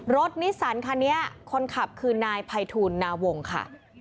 รถนิสสันค่ะเนี้ยคนขับคือนายไพทูลนาวงค่ะ